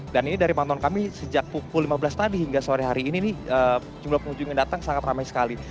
dan ini dari pantun kami sejak pukul lima belas tadi hingga sore hari ini jumlah pengunjung yang datang sangat ramai sekali